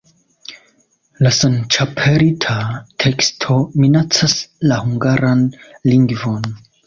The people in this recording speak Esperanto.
La senĉapelita teksto minacas la hungaran lingvon.